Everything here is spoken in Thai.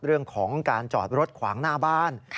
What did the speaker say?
เรื่องของการจอดรถขวางหน้าบ้าน